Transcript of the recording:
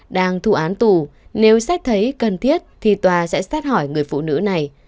đang thụ án tù nếu xét thấy cần thiết thì tòa sẽ xét hỏi người phụ nữ này